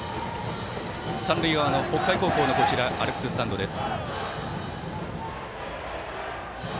三塁側の北海高校のアルプススタンドです。